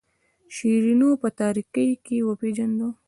شیرینو په تاریکۍ کې وپیژاند.